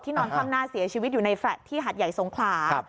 ที่นอนข้างหน้าเสียชีวิตอยู่ในแฟลต์ที่หัดใหญ่ทรงขลา